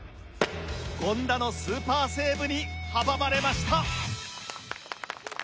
権田のスーパーセーブに阻まれました。